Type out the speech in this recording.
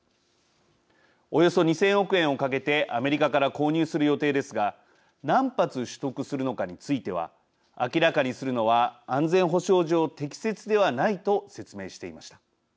およそ２０００億円をかけてアメリカから購入する予定ですが何発取得するのかについては明らかにするのは安全保障上、適切ではないと説明していました。